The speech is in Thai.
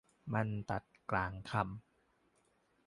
มันตัดกลางคำ